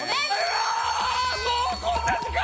ああもうこんな時間！